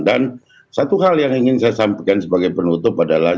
dan satu hal yang ingin saya sampaikan sebagai penutup adalah